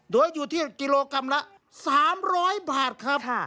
โดยอยู่ที่กิโลกรัมละ๓๐๐บาทครับ